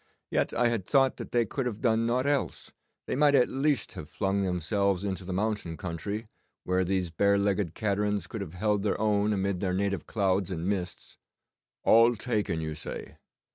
Yet I had thought that could they have done nought else, they might at least have flung themselves into the mountain country, where these bare legged caterans could have held their own amid their native clouds and mists. All taken, you say!